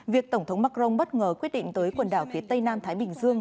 việc tổng thống macron bất ngờ quyết định tới quần đảo phía tây nam thái bình dương